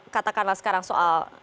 katakanlah sekarang soal